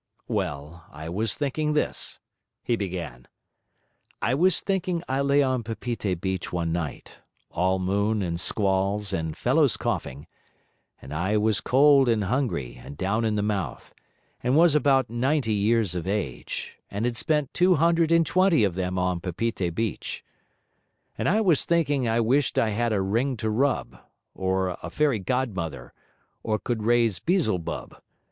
'Well, I was thinking this,' he began: 'I was thinking I lay on Papeete beach one night all moon and squalls and fellows coughing and I was cold and hungry, and down in the mouth, and was about ninety years of age, and had spent two hundred and twenty of them on Papeete beach. And I was thinking I wished I had a ring to rub, or had a fairy godmother, or could raise Beelzebub.